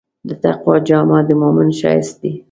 د تقوی جامه د مؤمن ښایست دی.